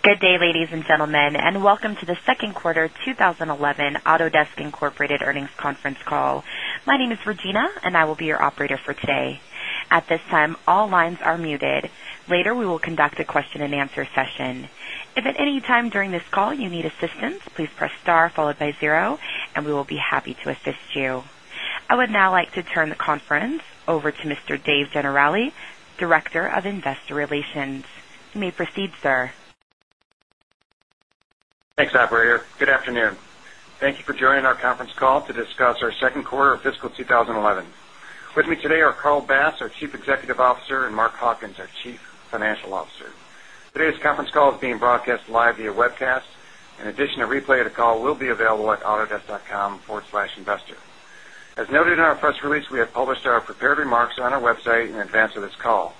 Good day, ladies and gentlemen, and welcome to the Second Quarter 2011 Autodesk Incorporated Earnings Conference Call. My name is Regina, and I will be your operator for today. At this time, all lines are muted. Later, we will conduct a question and answer session. I would now like to turn the conference over to Mr. Dave Generali, Director of Investor Relations. You may proceed, sir. Thanks, operator. Good afternoon. Thank you for joining our conference call to discuss our Q2 of fiscal 2011. With me today are Carl Bass, our Chief Executive Officer and Mark Hawkins, our Chief Financial Officer. Today's conference call is being broadcast live via webcast. In addition, a replay of the call will be available at autodesk.com/investor. As noted in our press release, we have published our prepared remarks on our website in advance of this call.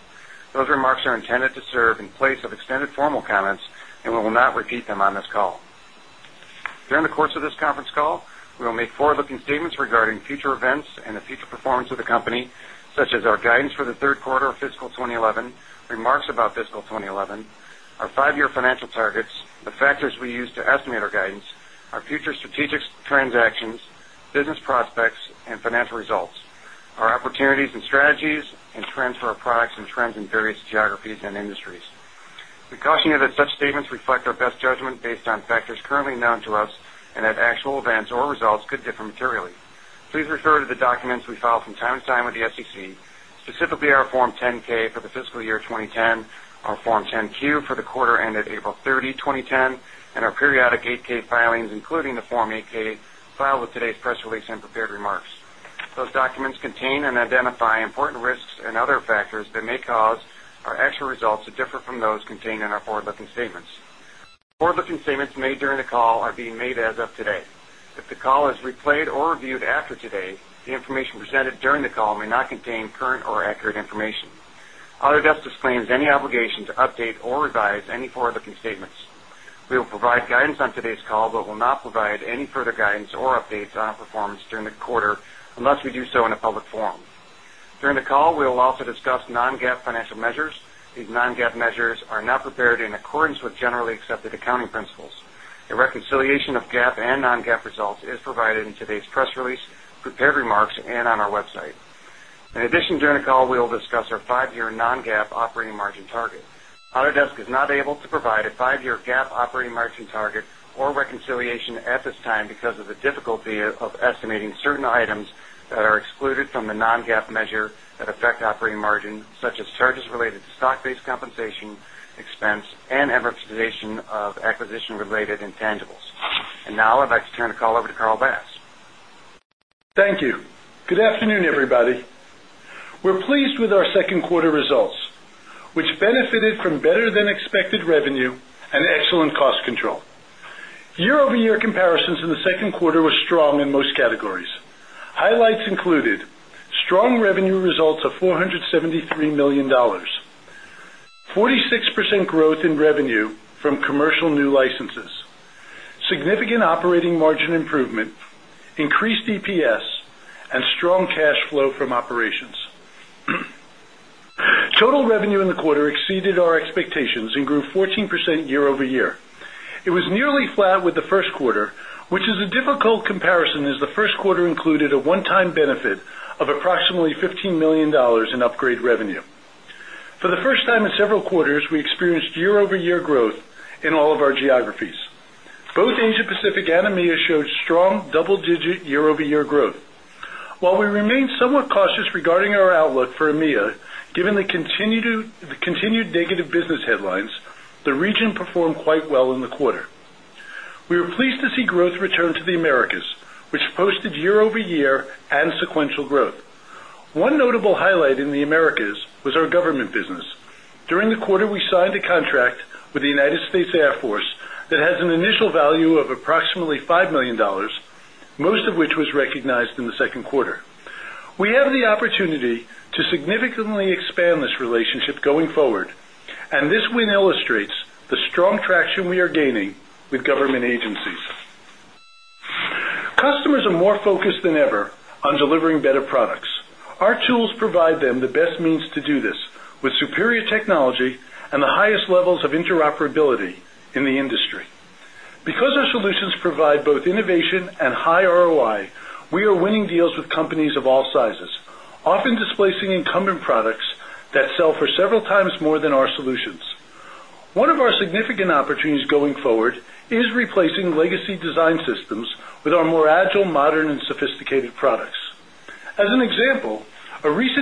Those remarks are intended to serve in place of extended formal comments and we will not repeat them on this call. During the course of this conference call, we will make forward looking statements regarding future events and the future performance of the company, such as our guidance for the Q3 of fiscal 2011, remarks about fiscal 2011, our 5 year financial targets, the factors we use to estimate our guidance, our future strategic transactions, business prospects and financial results, our opportunities and strategies and trends for our products and trends in various geographies and industries. We caution you that such statements reflect our best judgment based on factors currently known to us and that actual events or results could differ materially. Please refer to the documents we file from time to time with the SEC, specifically our Form 10 ks for the fiscal year 2010, our Form 10 Q for the quarter ended April 30, 20 10 and our periodic 8 ks filings, including the Form 8 ks filed with today's press release and prepared remarks. Those documents contain and identify important risks and other factors that may cause our actual results to differ from those contained in our forward looking statements. Forward looking statements made during the call are being made as of today. If the call is replayed or reviewed after today, the information presented during the call may not contain current or accurate information. Autodesk disclaims any obligation to update or revise any forward looking statements. We will provide on today's call, but will not provide any further guidance or updates on our performance during the quarter unless we do so in a public forum. During the call, we will also discuss non GAAP financial measures. These non GAAP measures are not prepared in accordance with generally accepted accounting principles. A reconciliation of GAAP and non GAAP results is provided in today's press release, prepared remarks and on our website. In addition, during the call, we will discuss our 5 year non GAAP operating margin target. Autodesk is not able to provide a 5 year GAAP operating margin target or reconciliation at this time because of the difficulty of estimating certain items that are excluded from the non GAAP measure that affect operating margin such as charges related to stock based compensation expense and amortization of acquisition related intangibles. And now, I'd like to turn the call over to Carl Bass. Thank you. Good afternoon, everybody. We're pleased with our 2nd quarter results, which benefited from better than expected revenue and excellent cost control. Year over year comparisons in the 2nd quarter were strong in most categories. Highlights included strong revenue results of $473,000,000 46% growth in revenue from commercial new licenses, significant operating margin improvement, increased EPS and strong cash flow from operations. Total revenue in the quarter exceeded our expectations and grew 14% year over year. It was nearly flat with the Q1, which is a difficult comparison as the Q1 included a one time benefit of approximately $15,000,000 in upgrade revenue. For the first time in several quarters, we experienced year over year growth in all of our geographies. Both Asia Pacific and EMEA showed strong double digit year over year growth. While we remain somewhat cautious regarding our outlook for EMEA, given the continued negative business headlines, the region performed quite well in the quarter. We were pleased to see growth return to the Americas, which posted year over year and sequential growth. One notable highlight in the Americas was our government business. During the quarter, we signed a contract with the United States Air Force that has an initial value of approximately $5,000,000 most of which was recognized in the second quarter. We have the opportunity to significantly expand this relationship going forward, and this win illustrates the strong traction we are gaining with government agencies. Customers are more focused than ever on delivering better products. Our tools provide them the best means to do this with superior technology and the highest levels of interoperability in the industry. Because our solutions provide both innovation and high ROI, we are winning deals with companies of all sizes, often displacing incumbent products that sell for several times more than our solutions. 1 of our significant opportunities going forward is replacing legacy design systems with our more agile, modern and sophisticated products. As an example, one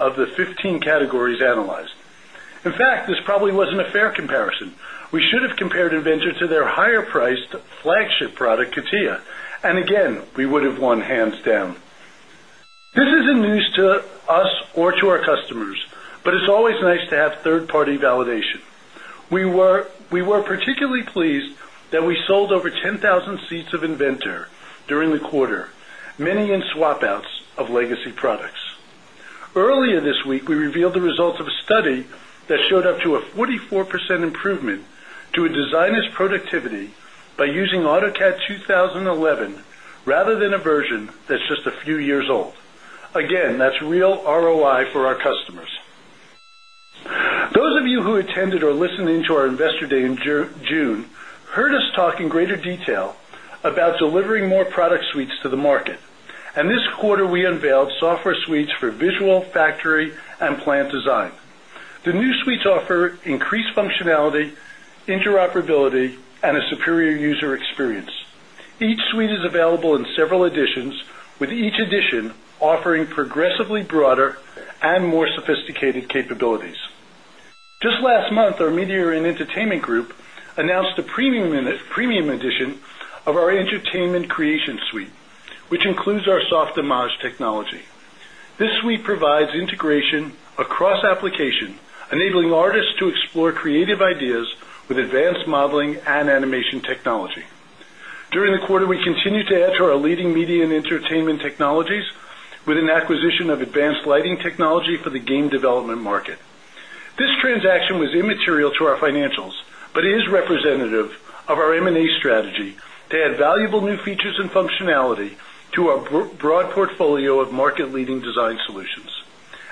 of the 15 categories analyzed. In fact, this probably wasn't a fair comparison. We should have compared Invenger to their higher priced flagship product CATIA, and again, we would have won hands down. This isn't news to us or to our customers, but it's always nice to have 3rd party validation. We were particularly pleased that we sold over 10,000 seats of Inventor during the quarter, many in swap outs of legacy products. Earlier this week, we revealed the results of a study that showed up to a 44% improvement to a designer's productivity by using AutoCAD 20 11 rather than a version that's just a few years old. Again, that's real ROI for our customers. Those of you who attended or listened into our Investor Day in June heard us talk in greater detail about delivering more product suites to the market. And this quarter, we unveiled software suites for visual, factory and plant design. The new suites offer increased functionality, interoperability and a superior user experience. Each suite is available in several editions with each edition offering progressively broader and more sophisticated capabilities. Just last month, our media and entertainment group announced a premium edition of our entertainment creation suite, which our modeling and animation technology. During the quarter, we continued to add to our leading media and entertainment technologies with an acquisition of advanced lighting technology for the game development market. This transaction was immaterial to our financials, but it is representative of our M and A strategy to add valuable new features and functionality to our broad portfolio of market leading design solutions.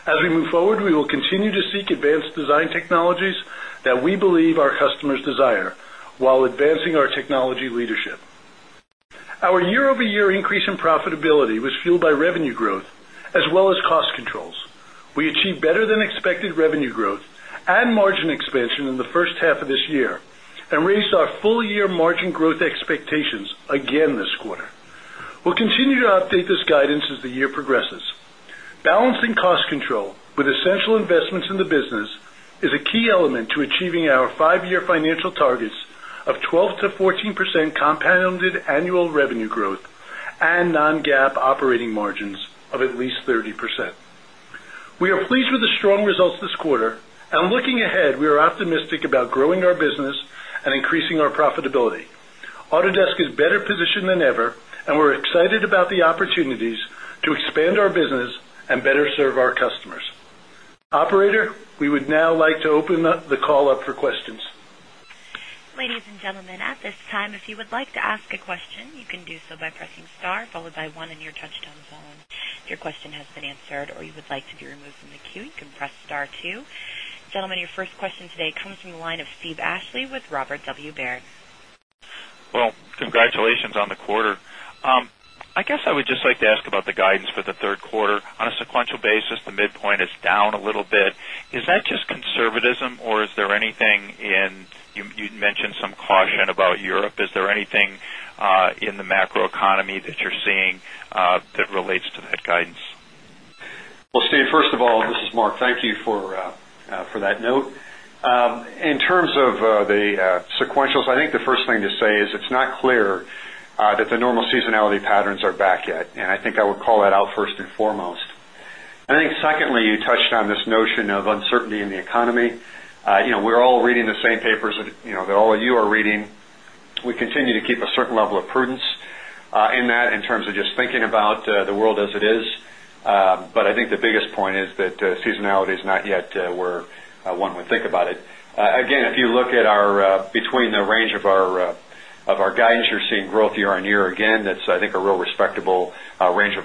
As we move forward, we will continue to seek advanced design technologies that we believe our customers desire, while advancing our technology leadership. Our year over year increase in profitability was fueled by revenue growth, as well as cost controls. We achieved better than expected revenue growth and margin expansion in the first half of this year and raised our full year margin growth expectations again this quarter. Continue to update this guidance as the year progresses. Balancing cost control with essential investments in the business is a key element achieving our 5 year financial targets of 12% to 14% compounded annual revenue growth and non GAAP operating margins of at least 30%. We are pleased with the strong results this quarter and looking ahead, we are optimistic about growing our business and increasing our profitability. Autodesk is better positioned than ever, and we're excited about the opportunities to expand our business and better serve our customers. Operator, we would now like to open up the call up for questions. Gentlemen, your first question today comes from the line of Steve Ashley with Robert W. Baird. Well, congratulations on the quarter. I guess I would just like to ask about the guidance for the Q3. On a sequential basis, the midpoint is down a little bit. Is that just conservatism or is there anything in you'd mentioned some caution about Europe, is there anything in the macro economy that you're seeing that relates to that guidance? Steve, first of all, this is Mark. Thank you for that note. In terms of the sequential, so I think the first thing to say is it's not clear that the normal seasonality patterns are back yet and I think I would call that out 1st and foremost. I think secondly, you touched on this notion of uncertainty in the economy. We're all reading the same papers that all of you are reading. We continue to keep a certain level of prudence in that in terms of just thinking about the world as it is. But I think the biggest point is that seasonality is not yet where one would think about it. Again, if you look at our between the range of our guidance, you're seeing growth year on year again, that's I think a real respectable range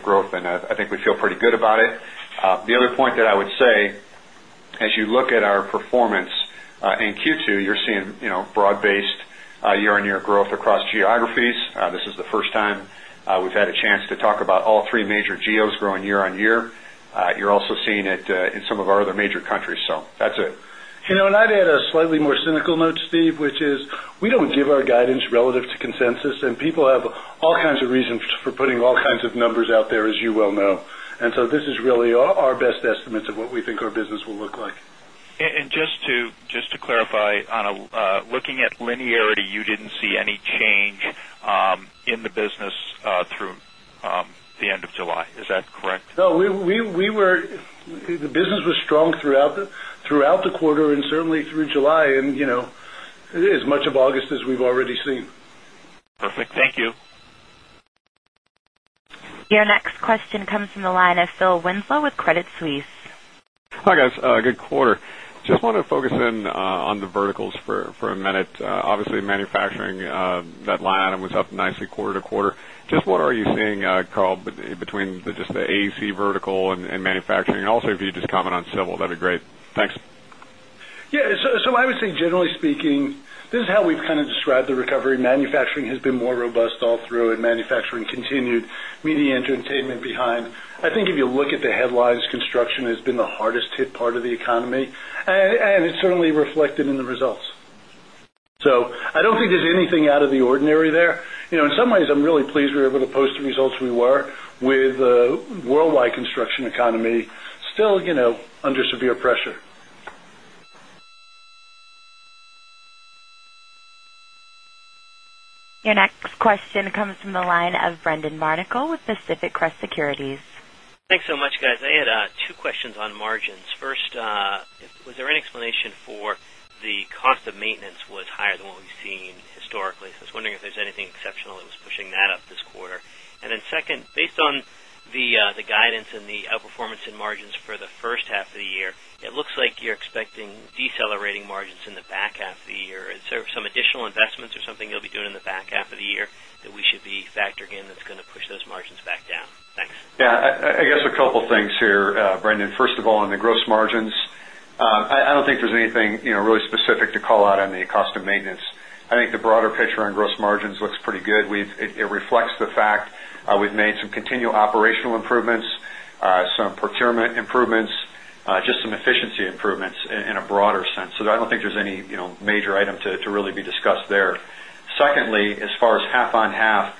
as you look at our performance in Q2, you're seeing broad based year on year growth across geographies. This is the first time we've had a chance to talk about all 3 major geos growing year on year. You're also seeing it in some of our other major countries. So, that's it. And I'd add a slightly more cynical note, Steve, which is we don't give our guidance relative to consensus and people have all kinds of reasons for putting all kinds of numbers out there as you well know. And so this is really our best estimates of what we think our business will look like. And just to clarify, looking at linearity, you didn't see any change in the business through the end of July. Is that correct? No. We were the business was strong throughout the quarter and certainly through July and as much of August as we've already seen. Perfect. Thank you. Your next question comes from the line of Phil Winslow with Credit Suisse. Hi, guys. Good quarter. Just wanted to focus in on the verticals for a minute. Obviously, manufacturing, that line item was up nicely quarter to quarter. Just what are you seeing, Carl, between just the AEC vertical and manufacturing? And also, if you just comment on civil, that would be great. Thanks. Yes. So I would say generally speaking, this is how we've kind of described the recovery. Manufacturing has been more robust all through and manufacturing continued, media and entertainment behind. I think if you look at the headlines, construction has been the hardest hit part of the economy, and it's certainly reflected in the results. So I don't think there's anything out of the ordinary there. In some ways, I'm really pleased we're able to post the results we were with worldwide construction economy still under severe pressure. Your next question comes from the line of Brendon Marnikal with Pacific Crest Securities. Thanks I had two questions on margins. First, was there any explanation for the cost of maintenance was higher than what we've seen historically. So I was wondering if there's anything exceptional that was pushing that up this quarter. And then second, based on the guidance and the outperformance in margins for the first half of the year, it looks like you're expecting decelerating margins in the back half of the year. Is there some additional investments or something you'll be doing in the back half of the year that we should be factored in that's going to push those margins back down? Thanks. Yes. I guess a couple of things here, Brendan. First of all, on the gross margins, I don't think there's anything really specific to call out on the cost of maintenance. I think the broader picture on gross margins looks pretty good. We've it continual operational improvements, some procurement improvements, just some efficiency improvements in a broader sense. So I don't think there's any major item to really be discussed there. Secondly, as far as half on half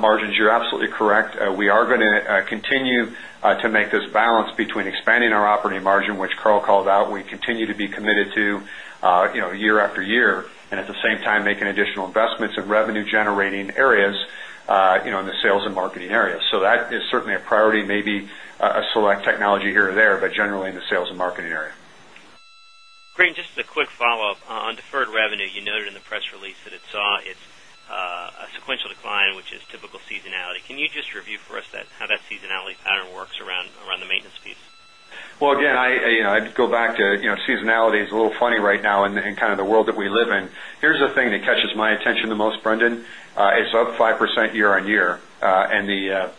margins, you're absolutely correct. We are going to continue to make this balance between expanding our operating margin, which Carl called out, we continue to be committed to year after year and at the same time, make additional investments in revenue generating areas in the sales and marketing area. So that is certainly a priority, maybe a select technology here or there, but generally in the sales and marketing area. Great. And just a quick follow-up on deferred revenue, you noted in the press release that it saw it's a sequential decline, which is typical seasonality. Can you just review for us that how that seasonality pattern works around the maintenance piece? Well, again, I'd go back to seasonality is a little funny right now in kind of the world that we live in. Here's the thing that catches my attention the most, Brendan, it's up 5% year on year. And the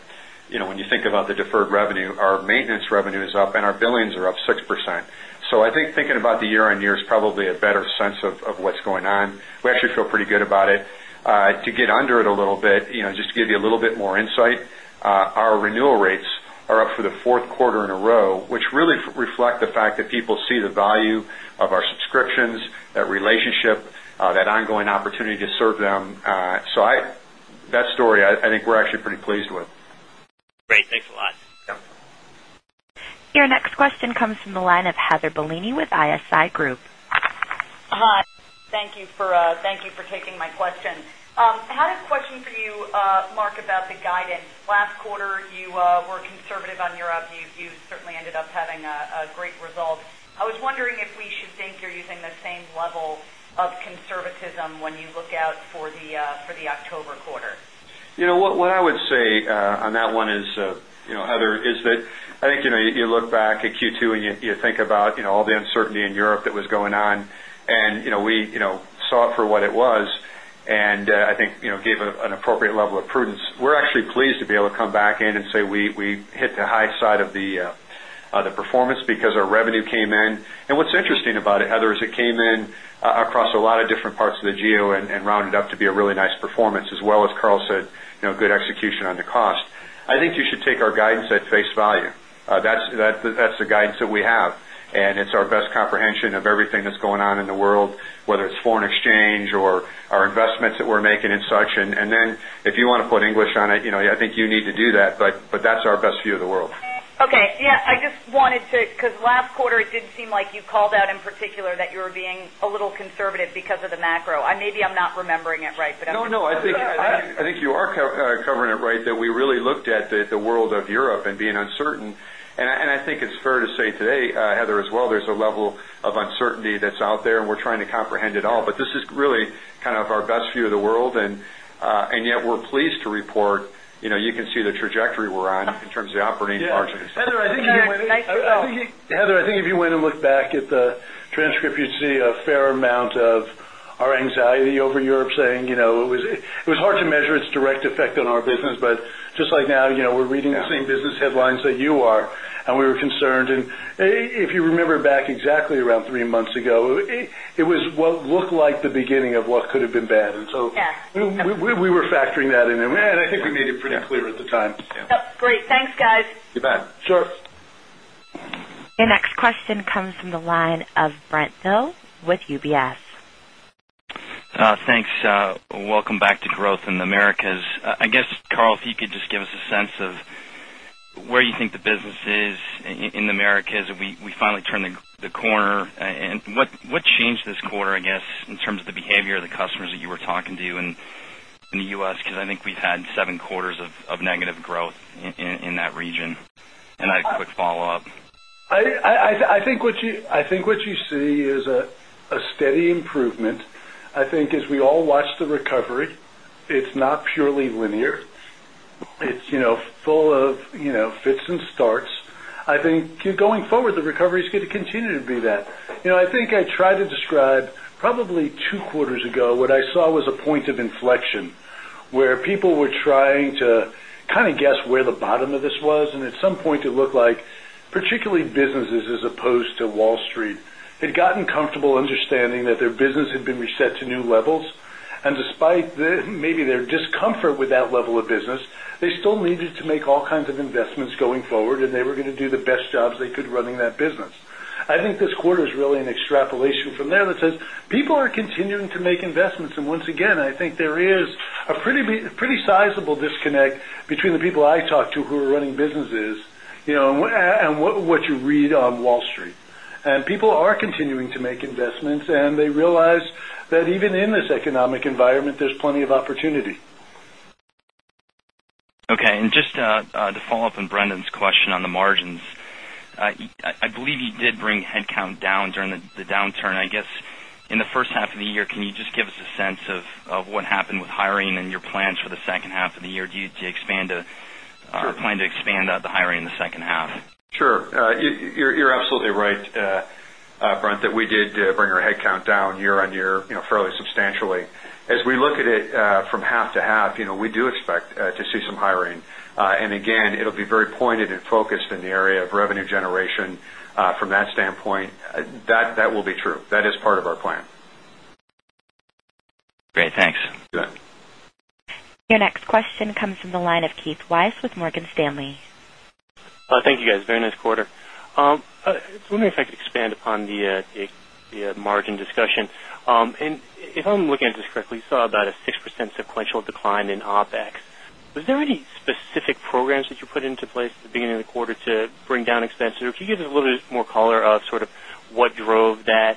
when you think about the deferred revenue, our maintenance revenue is up and our billings are up 6%. So, I think thinking about the year on year is probably a better sense of what's going on. We actually feel pretty good about it. To get under it a little bit, just to give you a little bit more insight, our renewal rates are up for the Q4 in a row, which really reflect the fact that people the value of our subscriptions, that relationship, that ongoing opportunity to serve them. So that story, I think we're actually pretty pleased with. Great. Thanks a lot. Your next question comes from the line of Heather Bellini with ISI Group. Hi. Hi. Thank you for taking my question. I had a question for you, Mark, about the guidance. Last quarter, you were conservative on Europe. You certainly ended up having a great result. I was say is you look out for the October quarter? What I would say on that one is, Heather, is that I think you look back at Q2 and you think about all the uncertainty in Europe that was going on and we saw it for what it was and I think gave an appropriate level of prudence. We're actually pleased to be able to come back in and say we hit the high side of the performance because our Carl said, good execution on the cost. I think you should take our guidance, as Carl said, good execution on the cost. I think you should take our guidance at face value. That's the guidance that we have and it's our best comprehension of everything that's going on in the world, whether it's foreign exchange or our investments that we're making in such. And then if you want to put English on it, I think you need to do that, but that's our best view of the world. Okay. Yes, I just wanted to because last quarter, it did view of the world. Okay. Yes, I just wanted to because last quarter, it did seem like you called out in particular that you were being a little conservative because of the macro. I maybe I'm not remembering it right, but I'm not going to be talking about that. No, no, I think you are covering it right that we really looked at the world of Europe and being uncertain. And I think it's to say today, Heather, as well, there's a level of uncertainty that's out there and we're trying to comprehend it all. But this is really kind of our best view of the world and yet we're pleased to report, you can see the trajectory we're on in terms of the operating margins. Heather, I think if you went and look back at the transcript, you'd see a fair amount of our anxiety over Europe saying, it was hard to measure its direct effect on our business. But just like now, we're reading the same business headlines that you are and we were concerned. And if you remember back exactly around 3 months ago, it was what looked like the beginning of what could have been bad. And so we were factoring that in. Yes. And I think we made it pretty clear at the time. Yes, great. Thanks, guys. You bet. Sure. Your next question comes from the line of Brent Thill with UBS. Thanks. Welcome back to growth in the Americas. I guess, Carl, if you could just give us a sense of where you think the business is in the Americas? We finally turned the corner. And what changed this quarter, I guess, in terms of the behavior of the customers that you were talking to in the U. S, because I think we've had 7 quarters of negative growth in that region? And I have a quick follow-up. I think what you see is a steady improvement. I think as we all watch the recovery, it's not purely linear. It's full of fits and starts. I think going forward, the recovery is going to continue to be that. I think I tried to describe probably 2 quarters ago, what I saw was a point of inflection, where people were trying to kind of guess where the bottom of this was. And at some point, it looked like particularly businesses as opposed to Wall Street had discomfort with that level of business, they still needed to make all kinds of investments going forward, and they were going to do the best jobs they could running that business. I think this quarter is really an extrapolation from there that says people are continuing to make investments. And once again, I think there is a pretty sizable disconnect between the people I talk to who are running businesses and what you read on Wall Street. And people are continuing to make investments and they realize that even in this economic environment, there's plenty of opportunity. Okay. And just to follow-up on Brendan's question on the margins. I believe you did bring headcount down during the downturn. I guess, in the first half of the year, can you just give us a sense of what happened with hiring and your plans for the second half of the year? Do you plan to expand the hiring in the second half? Sure. You're absolutely right, Brent, that we did bring our headcount down year on year fairly substantially. As we look at it from half to half, we do expect to see some hiring. And again, it will be very pointed and focused in the area of revenue generation from that standpoint. That will be true. That is part of our plan. Great. Thanks. Your next question comes from the line of Keith Weiss with Morgan Stanley. Thank you guys. Very nice quarter. I just wonder if I could expand upon the margin discussion. And if I'm looking at this correctly, you saw about a 6% sequential decline in OpEx. Was there any specific programs that you put into place at the beginning of the quarter to bring down expense? Could you give us a little bit more color of sort of what drove that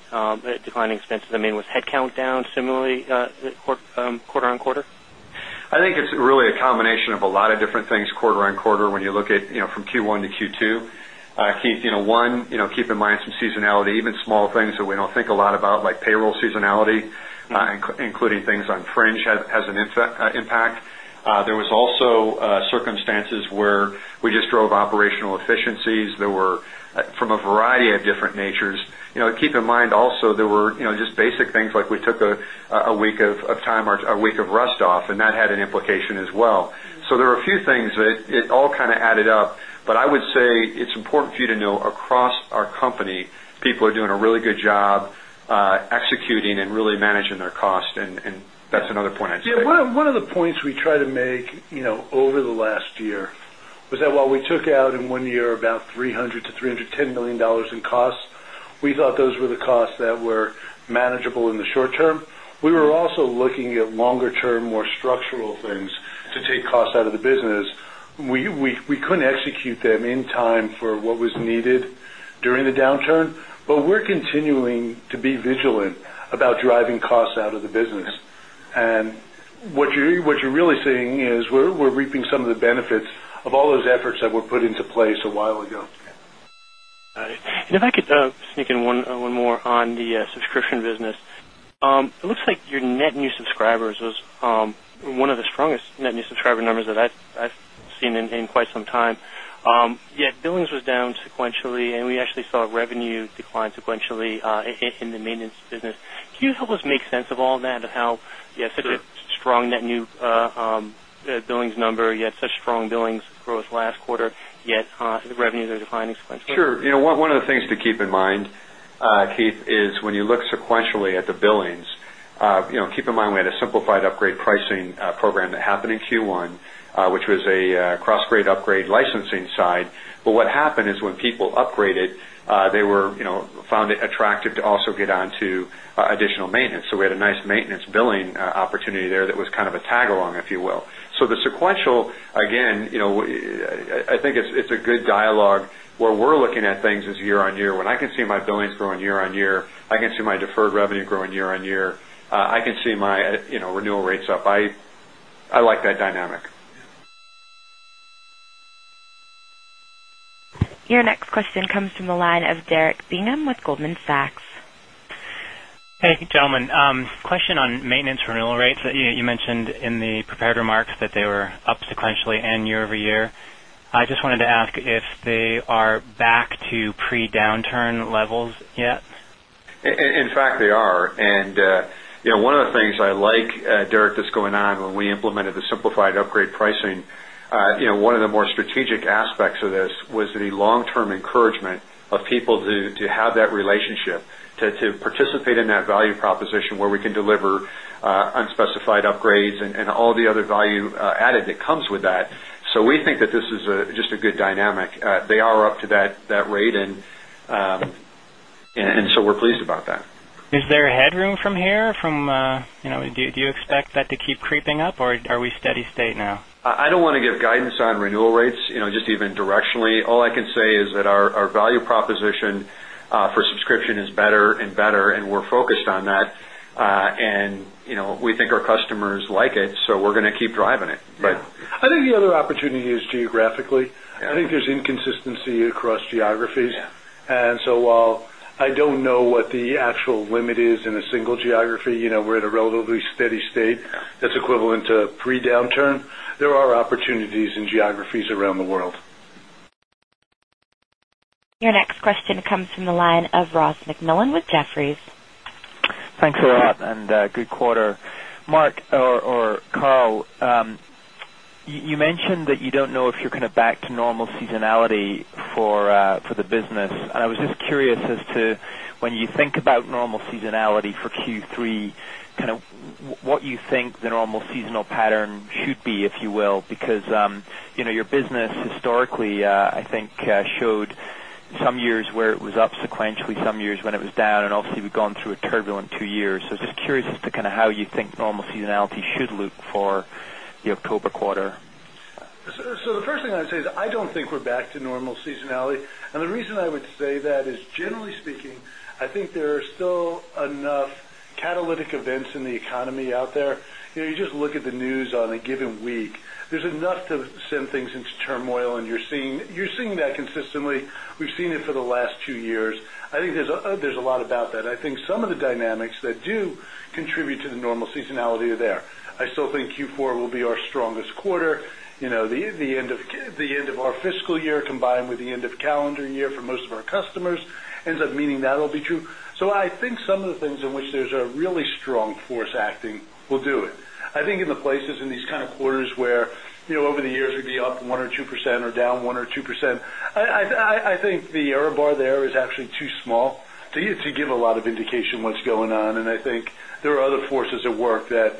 declining expense? I mean, was headcount down similarly quarter on quarter? I think it's really a combination of a lot of different things quarter on quarter when you look at from Q1 to Q2. Keith, one, keep in mind some seasonality, even small things that we don't think a lot about like payroll seasonality, including things on fringe has an impact. There was also circumstances where we just drove operational efficiencies that were from a variety of different natures. Keep in mind also there were just basic things like we took a week of time or a week of rust off and that had an implication as well. So there are a few things that it all kind of added up, but I would say it's important for you to know across our company, people are doing a really good job we took out in 1 year about $300,000,000 to $310,000,000 in costs, we thought those were the costs that were manageable in the short term. We were also looking at longer term, more structural things to take costs out of the business. We couldn't execute them in time for what was needed during the downturn, but we're continuing to be vigilant about driving costs out of the business. And what you're really seeing is we're reaping some of the benefits of all those efforts that were put into place a while ago. Got it. And if I could sneak in one more on the subscription business. It looks like your net new subscribers was one of the strongest net new subscriber numbers that I've seen in quite some time. Yet billings was down sequentially and we actually saw revenue decline sequentially in the maintenance business. Can you help us make sense of all that and how such a strong net new billings number, you had such strong billings growth last quarter, yet revenues are declining expense? Sure. One of the things to keep in mind, Keith, is when you look sequentially at the billings, keep in mind, we had a simplified upgrade pricing program that happened in Q1, which was a cross grade upgrade licensing side. But what happened is people upgraded, they were found it attractive to also get on to additional maintenance. So we had a nice maintenance billing opportunity there that was kind of a tag along, if you will. So the sequential, again, I think it's a good dialogue where we're looking at things is year on year. When I can see my billings growing year on year, I can see my deferred revenue growing year on year. I can see my renewal rates up. I like that dynamic. Your next question comes from the line of Derek Bingham with Goldman Sachs. Hey, gentlemen. Question on maintenance renewal rates. You mentioned in the prepared remarks that they were up sequentially and year over year. I just wanted to ask if they are back to pre downturn levels yet? In fact, they are. And one of the things I like, Derek, that's going on when we implemented the simplified upgrade pricing, one of the more strategic aspects of this was the long term encouragement of people to have that relationship to participate in that value proposition where we can deliver unspecified upgrades and all the other value added that comes with that. So, we think that this is just a good dynamic. They are up to that rate and so we're pleased about that. Is there headroom from here from do you expect that to keep creeping up or are we steady state now? I don't want to give guidance on renewal rates, just even directionally. All I can say is that our value proposition for subscription is better and better and we're focused on that. And we think our customers like it, so we're going to keep driving it, but I think the other opportunity is geographically. I think there's inconsistency across geographies. And so, I don't know what the actual limit is in a single geography. We're at a relatively steady state that's equivalent to pre downturn. There are opportunities in geographies around the world. Your next question comes from the line of Ross MacMillan with Jefferies. Thanks a lot and good quarter. Mark or Karl, you mentioned that you don't know if you're going to back to normal seasonality for the business. And I was just curious curious as to when you think about normal seasonality for Q3, kind of what you think the normal seasonal pattern should be, if you will, because your business historically, I think, showed some years where it was up sequentially, some years when it was down and obviously we've gone through a turbulent 2 years. So just curious as to kind of how you think normal seasonality should look for the October quarter? So the first thing I'd say is, I don't think we're back to normal seasonality. And the reason I would say that is, generally speaking, I think there are still enough catalytic events in the economy out there. You just look at the news on a given week, there's enough to send things into turmoil and you're seeing that consistently. We've seen it for the last two years. I think there's a lot about that. I think some of the dynamics that do contribute to the normal seasonality are there. I still think Q4 will be our strongest quarter. The end of our fiscal year combined with the end of calendar year for most of our customers ends up meaning that will be true. So, I think some of the things in there's a really strong force acting will do it. I think in the places in these kind of quarters where over the years, we'd be up 1% or 2% or down 1% or 2%. I think the error bar there is actually too small to give a lot of indication what's going on. And I think there are other forces at work that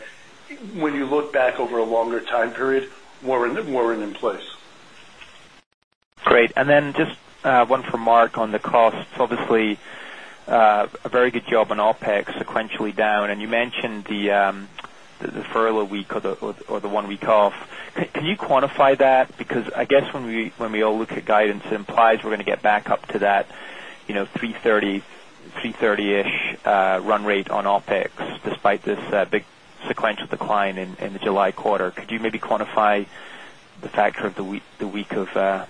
when you look back over a longer time period, weren't in place. Great. And then just one for Mark on the costs. Obviously, a very good job on OpEx sequentially down. And you mentioned the furlough week or the 1 week off. Can you quantify that? Because I guess when we all look at guidance implies we're going to get back up to that ish run rate on OpEx despite this big sequential decline in the July quarter. Could you maybe quantify the factor of the week of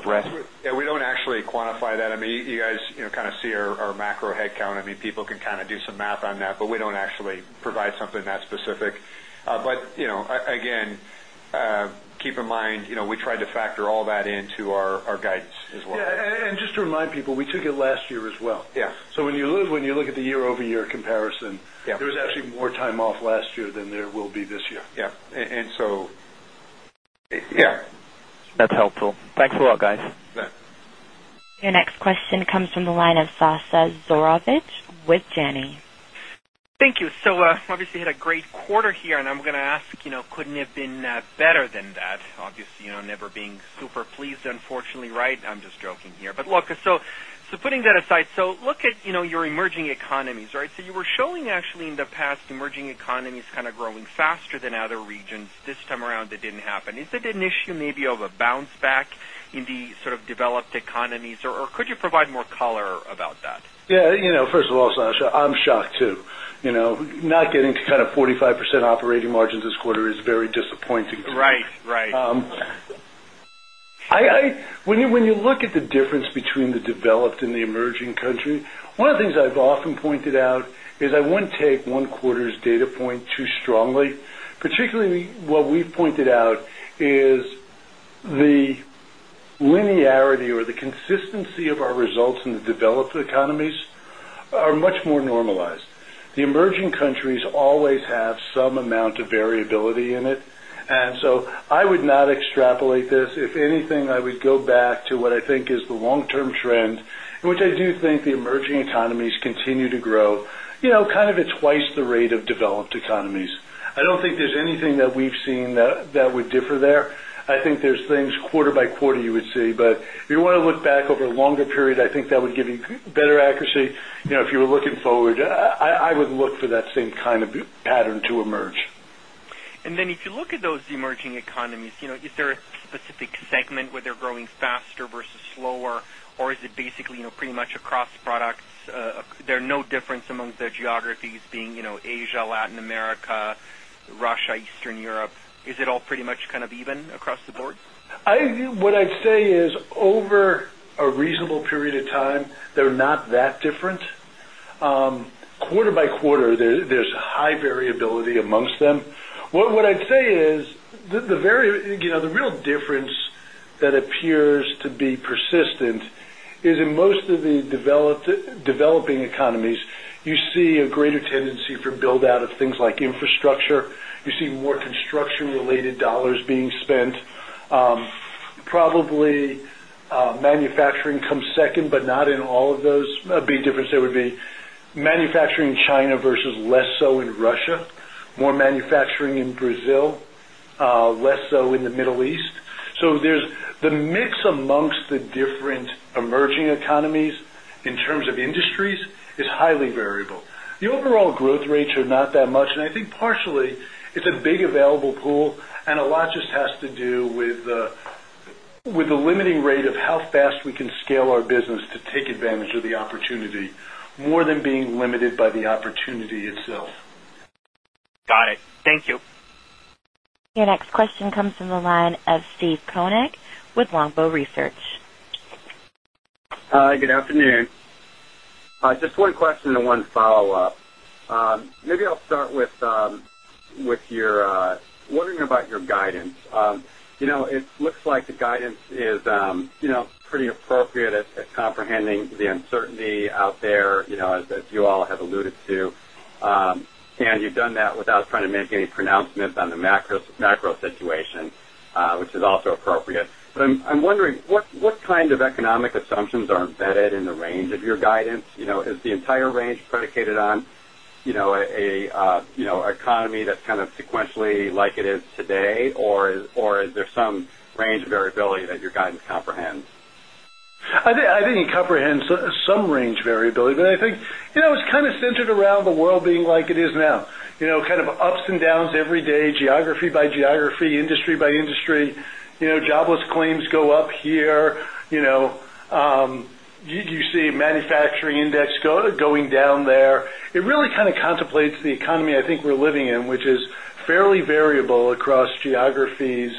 rest? Yes, we don't actually quantify that. I mean, you guys kind of see our macro headcount. I mean, people can kind do some math on that, but we don't actually provide something that specific. But again, keep in mind, we tried to factor all that into our guidance as well. Yes. And just to remind people, we took it last year as well. Yes. So when you look at the year over year comparison, there was actually more time off last year than there will be this year. Yes. And so, yes. Your question comes from the line of Sasha Zorovich with Janney. Thank you. So obviously you had a great quarter here and I'm going to ask, couldn't it have been better than that obviously never being super pleased unfortunately right, I'm just joking here. But look, so putting that aside, so look at your emerging economies, right? So you were showing actually in the past emerging economies kind of growing faster than other regions. This time around, it didn't happen. Is it an issue maybe of a bounce back in the sort of developed economies? Or could you provide more color about that? Yes. First of all, Sasha, I'm shocked Not getting to kind of 45% operating margins this quarter is very disappointing. Right, right. When you look at the difference between the developed and the emerging countries, one of the things I've often pointed out is I wouldn't take 1 quarter's as data point too strongly, particularly what we've pointed out is the linearity or the consistency of our results in the developed economies are much more normalized. The emerging countries always have some amount of variability in it. And so I would not extrapolate this. If anything, I would go back to what I think is the long term trend, which I think the emerging economies continue to grow kind of at twice the rate of developed economies. I don't think there's anything that we've seen that would differ there. I think there's things quarter by quarter you would see. But if you want to look back over a longer period, I think that would give you better accuracy. If you were looking forward, I would look for that same kind of pattern to emerge. And then if you look at those emerging economies, is there a specific segment where they're growing faster versus slower or is it basically pretty much across products? There are no difference among the geographies being Asia, Latin America, Russia, Eastern Europe. Is it all pretty much kind of even across the board? What I'd say is over a reasonable period of time, they're not that different. Quarter by quarter, there's high variability amongst them. What I'd say is the real difference that appears to be persistent is in most of the developed tendency for build out of things like infrastructure. You see more construction related dollars being spent. Probably, manufacturing comes second, but not in all of those. A big difference there would be manufacturing in China versus less so in Russia, more manufacturing in Brazil, less so in the Middle East. So there's the mix amongst the different emerging economies in terms of industries is highly variable. The overall growth rates are not that much. And I think partially, it's a big available pool and a lot just has to do with the limiting rate of how fast we can scale our business to take advantage of the opportunity more than being limited by the opportunity itself. Got it. Thank you. Your next question comes from the line of Steve Koenig with Longbow Research. Hi, good afternoon. Just one question and one follow-up. Maybe I'll start with your wondering about your guidance. It looks like the guidance is pretty appropriate at comprehending the uncertainty out there as you all have alluded to. And you've done that without trying to make any pronouncements on the macro situation, which is also appropriate. But I'm wondering what kind of economic assumptions are embedded in the range of your guidance? Is the entire range predicated on an economy that's kind of sequentially like it is today or is there some range of variability that your guidance comprehends? I think it comprehends some range variability, but I think it's kind of centered around the world being like it is now, kind of ups and downs every day geography by geography, industry by industry, jobless claims go up here, you see manufacturing index going down there. It really kind of contemplates the economy I think we're living in, which is fairly variable across geographies,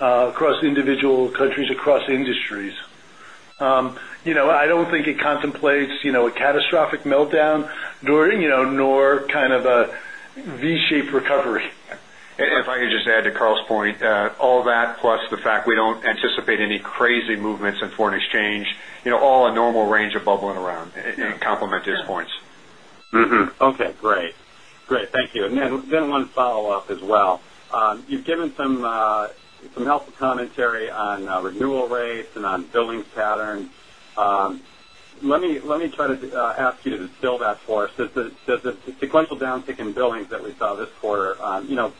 across individual countries, across industries. I don't think it contemplates a catastrophic meltdown nor kind of a V shaped recovery. And if I could just add to Karl's point, all that plus the fact we don't anticipate any crazy movements in foreign exchange, all a normal range of bubbling around and complement these points. Okay, great. Great. Thank you. And then one follow-up as well. You've given some helpful commentary on renewal rates and on billings patterns. Let me try to ask you to instill that for us. Does Does the sequential downtick in billings that we saw this quarter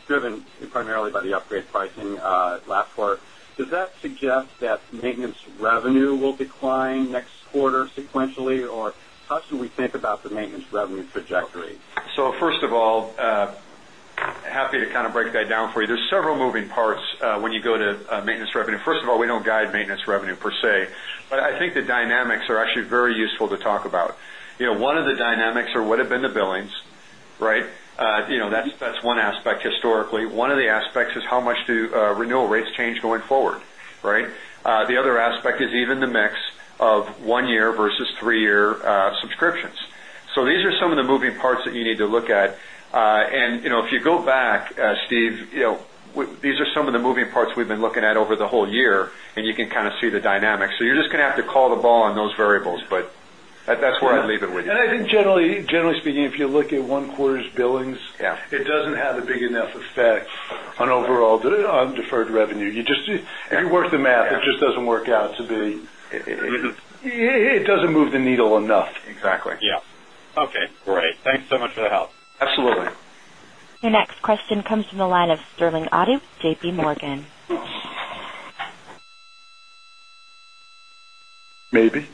driven primarily by the upgrade pricing last quarter, does that suggest that maintenance revenue will decline next quarter sequentially or how should we think about the maintenance revenue trajectory? So, first of all, happy to kind of break that down for you. There's several moving parts when you go to maintenance revenue. First of all, we don't guide maintenance revenue per se. But I think the dynamics are actually very useful to talk about. One of the dynamics or what have been the billings, right? That's one aspect historically. One of the aspects is how much do renewal rates change going forward, right? The other aspect is even the mix of 1 year versus 3 year subscriptions. So, these are some of the moving parts that you need to look at. And if you go back, Steve, these are some of the moving parts we've been looking at over the whole year and you can kind of see the dynamics. So, you're just going to have to call the ball on those variables, but that's where I'll leave it with you. And I think generally speaking, if you look at 1 quarter's billings, it doesn't have a big enough effect on overall deferred revenue. You just if you work the math, it just doesn't work out to be it doesn't move the needle enough. Exactly. Yes. Okay, great. Thanks so much for the help. Absolutely. Your next question comes from the line of Sterling Auty with JPMorgan. Maybe,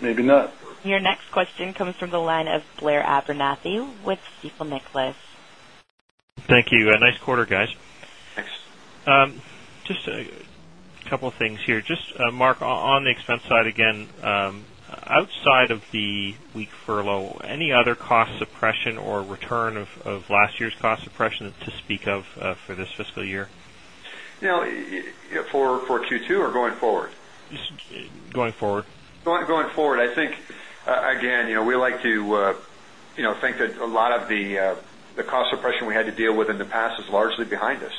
maybe not. Your next question comes from the line of Blair Abernathy with Stifel Nicolaus. Thank you. Nice quarter guys. Thanks. Just a couple of things here. Just Mark on the expense side again, suppression to speak of for this fiscal year? No, suppression to speak of for this fiscal year? For Q2 or going forward? Going forward. Going forward, I think, again, we like to think that a lot of the cost suppression we had to deal with in the past is largely behind us.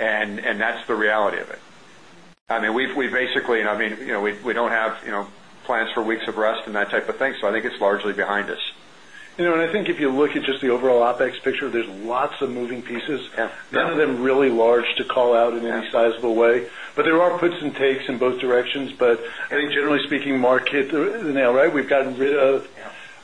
And that's the reality of it. I mean, we basically and I mean, we don't have plans for weeks of rest and that type of thing. So, I think it's largely behind us. And I think if you look at just the overall OpEx picture, there's lots of moving pieces. None of them really large to call out in any sizable way, but there are puts and takes in both directions. But I think generally speaking, market is now right. We've gotten rid of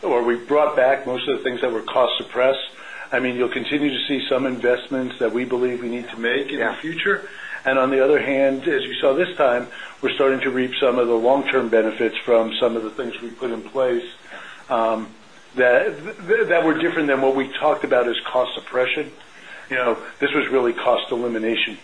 or we brought back most of the things that were cost suppressed. You'll continue to see some investments that we believe we need to make in the future. And on the other hand, as you saw this time, we're starting to reap some of the long term benefits from some of the things we put in place that were different than what we talked about as cost suppression. This was really cost elimination.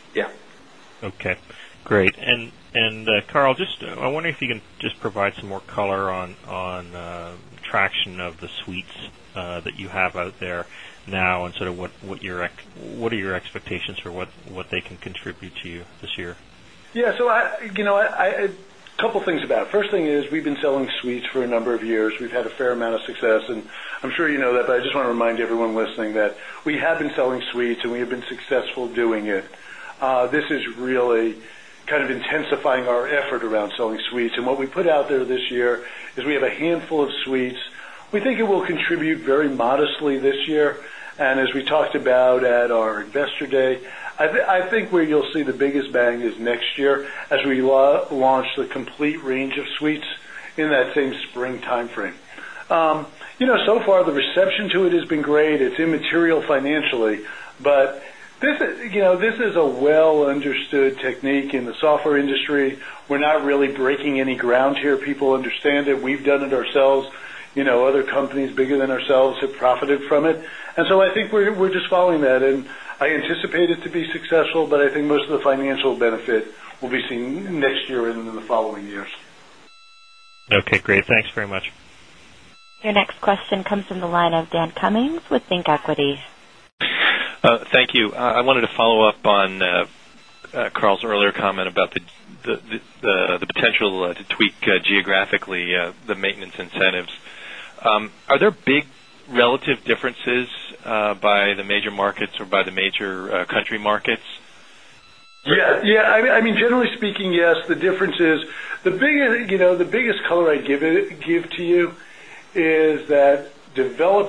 Okay, great. And Carl, just I wonder if you can just provide some more color on traction of the suites that you have out there now and sort of what are your expectations for what they can contribute to you this year? Yes. So a couple of things about it. First thing is, we've been selling suites for a number of years. We've had a fair amount of success. And I'm sure you know that, but I just want to remind everyone listening that we have been selling suites and we have been successful doing it. This is really kind of intensifying our effort around selling sweets. And what we put out there this year is we have a handful of sweets. We think it will contribute very modestly this year. And as we talked about at our Investor Day, I think where you'll see the biggest bang is next year as we launch the complete range of suites in that same spring timeframe. So far, the reception to it has been great. It's immaterial financially. But understood technique in the software industry. We're not really breaking any ground here. People understand it. We've done it ourselves. Other companies bigger than ourselves have profited from it. And so I think we're just following that. And I anticipate it to be successful, but I think most of the financial benefit will be seen next year and into the following years. Okay, great. Thanks very much. Your next question comes from the line of Dan Cummings with ThinkEquity. Thank you. I wanted to follow-up on Karl's earlier comment about the potential to tweak geographically the maintenance incentives. Are there big relative differences by the major markets or by the major country markets? Yes. I mean, generally speaking,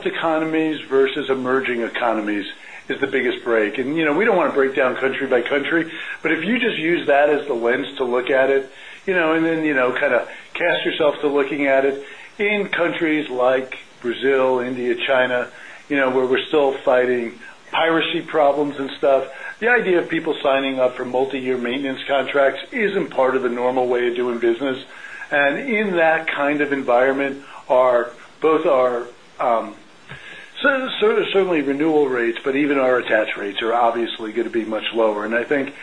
economies versus emerging economies is the biggest break. And we don't want to break down country by country, but if you just use that as the lens to look at it and then kind of cast yourself to looking at it in countries like Brazil, India, China, where we're still fighting piracy problems and stuff. The idea of people signing up for multi year maintenance contracts isn't part of the normal way of doing business. And in that kind of environment are both our certainly renewal rates, but even our attach rates are obviously going to be much lower. And I think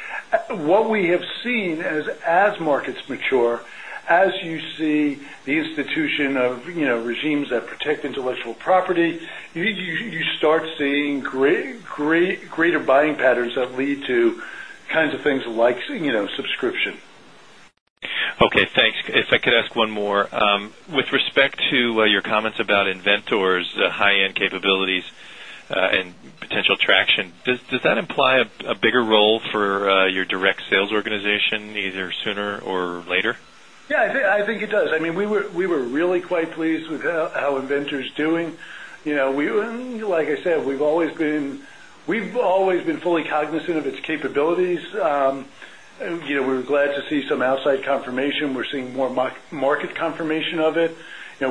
what we have seen as markets mature, as you see the institution of regimes that protect intellectual property, you start seeing greater buying patterns that lead to kinds of things like subscription. Okay, thanks. If I could ask one more, with respect to your comments about Inventor's high end capabilities and potential traction, does that imply a bigger role for your direct sales organization either sooner or later? Yes, I think it does. I mean, we were really quite pleased with how Inventor is doing. Like I said, we've always been fully cognizant of its capabilities. We're glad to see some cognizant of its capabilities. We're glad to see some outside confirmation. We're seeing more market confirmation of it.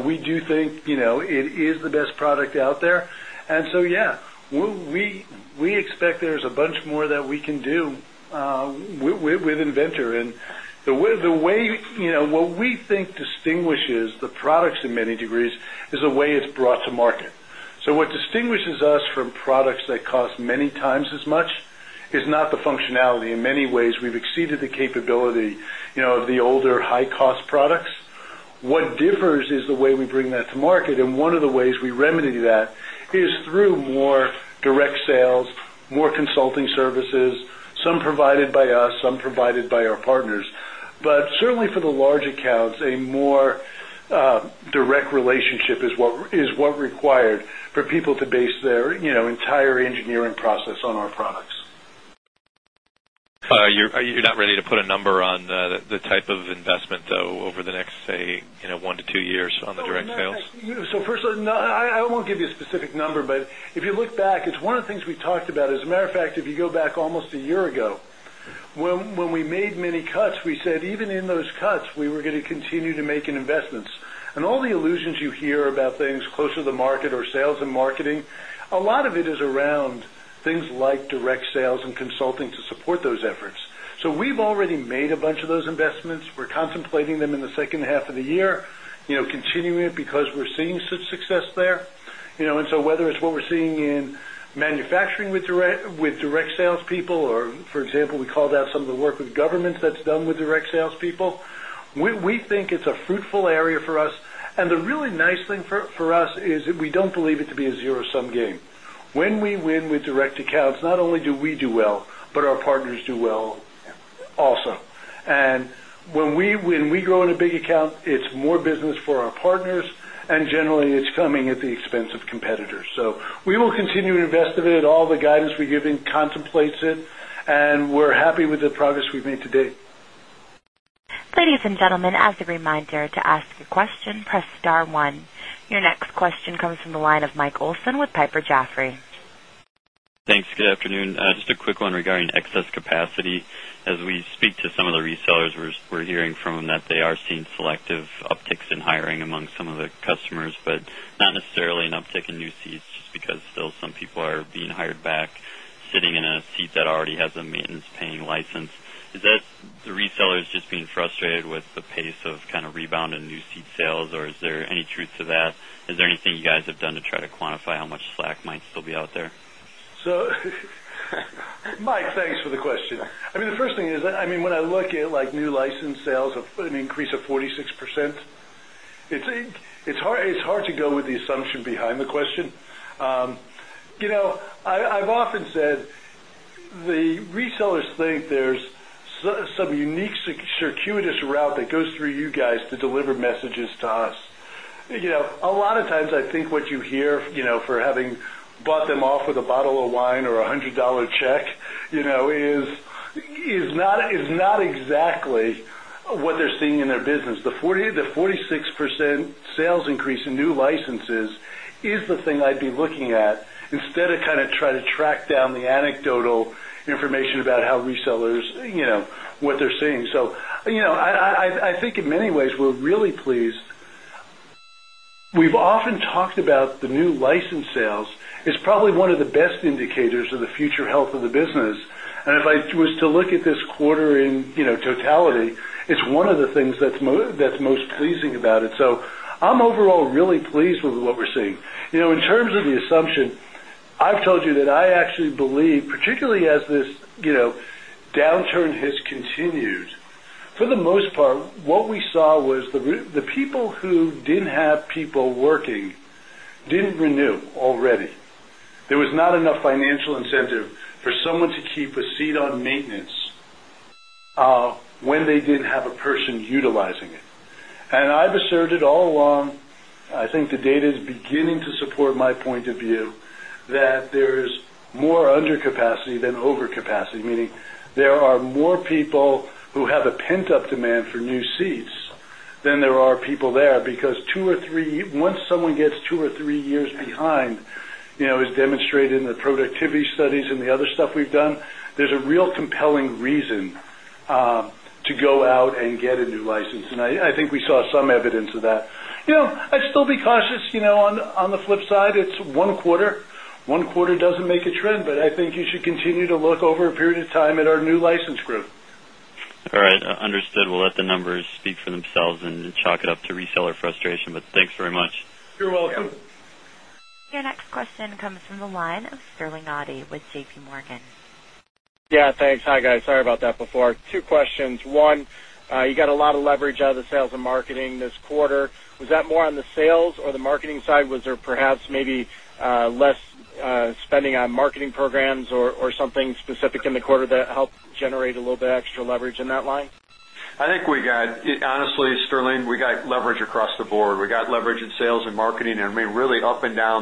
We do think it is the best product out there. And so, yes, we expect there's a bunch more that we can do with Inventor. And the way what we think distinguishes the products in many degrees is the way it's brought to market. So what distinguishes us from products that cost many times as much is not the functionality. In many ways, we've exceeded the capability of the older high cost products. What differs is the way we bring that to market. And one of the ways we remedy that is through more direct sales, more consulting services, some provided by us, some provided by our partners. But certainly for the large accounts, a more direct relationship is what required for people to base their entire engineering process on our products. You're not ready to put a number on the type of investment though over the next, say, 1 to 2 years on the direct sales? So firstly, I won't give you a specific number, but if you look back, it's one of the things we talked about. As a matter of fact, if you go back almost a year ago, when we made many cuts, we said even in those cuts, we were going to continue to make investments. And all the illusions you hear about things closer to the market or sales and marketing, a lot of it is around things like direct sales and consulting to support those efforts. So we've already made a bunch of those investments. We're contemplating them in the second half of the year, continuing it because we're seeing such success there. And so whether it's we're seeing in manufacturing with direct sales people or for example, we called out some of the work with governments that's done with direct sales people. We think it's a fruitful area for us. And the really nice thing for us is that we don't believe it to be a 0 sum game. When we win with direct accounts, not only do we do well, but our partners do well also. And when we grow in a big account, it's more business for our partners and generally it's coming at the expense of competitors. So we will continue to invest in it. All the guidance we're giving contemplates it and we're happy with the progress we've made today. Your next question comes from the line of Mike Olson with Piper Jaffray. Thanks. Good afternoon. Just a quick one regarding excess capacity. As we speak to some of the resellers, we're hearing from them that they are seeing selective upticks in hiring among some of the customers, but not necessarily an uptick in new seats because still some people are being hired back sitting in a seat that already has a maintenance paying license. Is that the resellers just being frustrated with the pace of kind of rebound in new seat sales or is there any truth to that? Is there anything you guys have done to try to quantify how much slack might still be out there? So, Mike, thanks for the question. I mean, first thing is, I mean, when I look at like new license sales of an increase of 46%, it's hard to go with the assumption behind the question. I've often said the resellers think there's some unique circuitous route that goes through you guys to deliver messages to us. A lot of times, I think what you hear for having bought them off with a bottle of wine or $100 check is not exactly what they're seeing in their business. The 40% to 46% sales increase in new licenses is the thing I'd be looking at instead of kind of try to track down the anecdotal information about how resellers what they're seeing. So, I think in many ways, we're really pleased. We've often talked about the new license sales. It's probably one of the best indicators of the future health of the business. And if I was to look at this quarter in totality, it's one of the things that's most pleasing about it. So, I'm overall really pleased with what we're seeing. In terms of the assumption, I've told you that I actually believe, particularly as this downturn has continued, for the most part, what we saw was the people who didn't have people working didn't renew already. There was not enough financial incentive for someone to keep a seat on maintenance when they didn't have a person utilizing it. And I've asserted all along, I think the data is beginning to support my point of view that there is more under capacity than over capacity, meaning there are more people who have a pent up demand for new seats than there are people there because 2 or 3 once someone gets 2 or 3 years behind, as demonstrated in the productivity studies and the other stuff we've done, there's a real compelling reason to go out and get a new license. And I think we saw some evidence of that. I'd still be cautious on the flip side, it's 1 quarter. 1 quarter doesn't make a trend, but I think you should continue to look over a period of time at our new license group. All right. Understood. We'll let the numbers speak for themselves and chalk it up to reseller frustration, but thanks very much. You're welcome. Your next question comes from the line of Sterling Auty with JP Morgan. Yes, thanks. Hi, guys. Sorry about that before. Two questions. 1, you got a lot of leverage out of the sales and marketing this quarter. Was that more on the sales or the marketing side? Was there perhaps maybe less spending on marketing programs or something specific in the quarter that helped generate a little bit extra leverage in that line? I think we got honestly, Sterling, we got leverage across the board. We got leverage in sales and marketing and we really up and down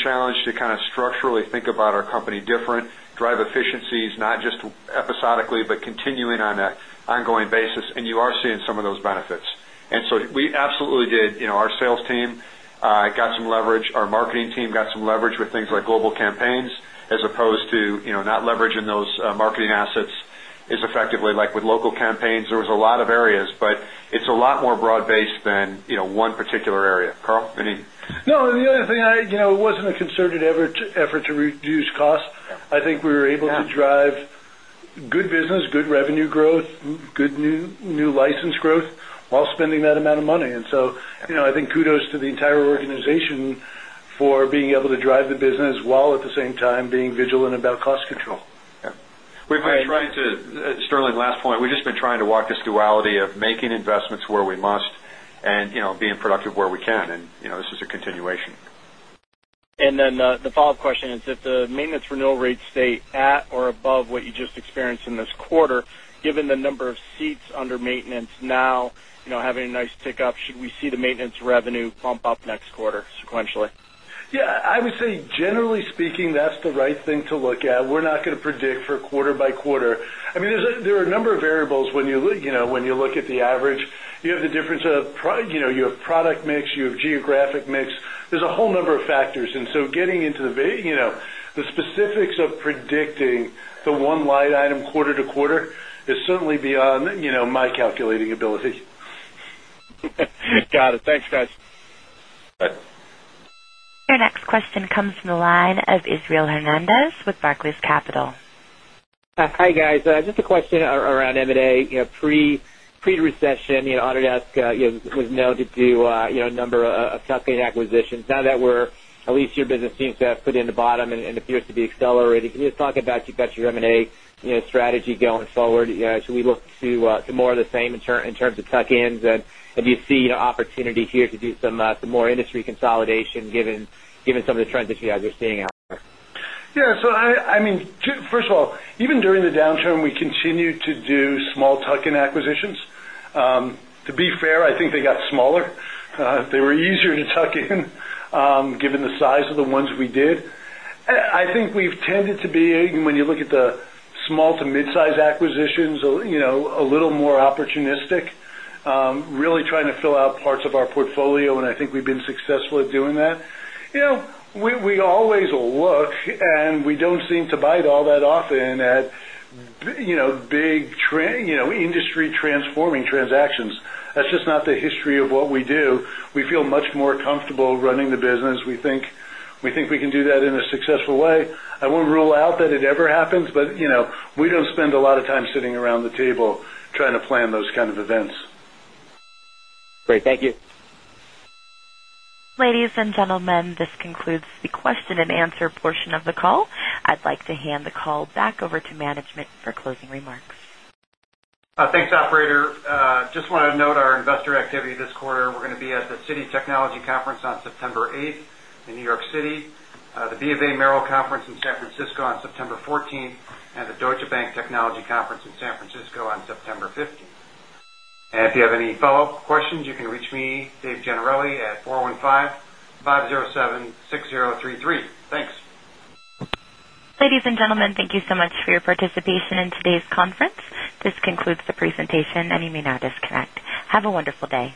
challenged to kind of structurally think about our company different, drive efficiencies not just episodically, but continuing on an ongoing basis and you are seeing some of those benefits. And so we absolutely did. Our sales team got some leverage. Our marketing team got some leverage with things like global campaigns as opposed to not leveraging those marketing assets as effectively like with local campaigns. There was a lot of areas, but it's a lot more broad based than one particular area. Karl, any? No. The other thing, it wasn't a concerted effort to reduce costs. I think we were able to drive good business, good revenue growth, good new license growth while spending that amount of money. And so, I think kudos to the entire organization for being able to drive the business, while at the same time being vigilant about cost control. Yes. We've been trying to Sterling last point, we've just been trying to walk this duality of making investments where we must and being productive where we can and this is a continuation. And then the follow-up question is if the maintenance renewal rates stay at or above what you just experienced in this quarter, given the number of seats under maintenance now have a nice tick up, should we see the maintenance revenue pump up next quarter sequentially? Yes. I would say generally speaking that's the right thing to look at. We're not going to predict for quarter by quarter. I mean, there are a number of variables when you look at the average. You have the difference of you have product mix, you have geographic mix. There's a whole number of factors. And so getting into the specifics of predicting the one line item quarter to quarter is certainly beyond my calculating ability. Got it. Thanks guys. Your next question comes from the line of Israel Hernandez with Barclays Capital. Hi guys. Just a question around M and A. Pre recession Autodesk was noted to a number of tuck in acquisitions. Now that we're at least your business seems to have put in the bottom and appears to be accelerated. Can you just talk talk about you've got your M and A strategy going forward? Should we look to more of the same in terms of tuck ins? And do you see opportunity here to do some more industry consolidation given some of the transition you guys are seeing out there? Yes. So, I mean, first of all, even during the downturn, we continued to do small tuck in acquisitions. Tended to be, when you look at the small to midsize acquisitions, a little more opportunistic, really trying to fill out parts of our portfolio and I think we've been successful at doing that. We always look and we don't seem to bite all that often at big industry transforming transactions. That's just not the history of what we do. We feel much more comfortable running the business. We think we can do that in a successful way. Don't spend a lot of time sitting around the table trying to plan those kind of events. Great. Thank you. Ladies and gentlemen, this concludes the question and answer portion of the call. I'd like to hand the call back over to management for closing remarks. Thanks, operator. Just want to note our investor activity this quarter, we're going to be at the Citi Technology Conference on September 8 in New York City, the BofA Merrill Conference in San Francisco on September 14 and the Deutsche Bank Technology Conference in San Francisco on September 15. And if you have any follow-up questions, you can reach me, Dave Giannarelli at 415-507-6033. Thanks. Ladies and gentlemen, thank you so much for your participation in today's conference. This concludes the presentation and you may now disconnect. Have a wonderful day.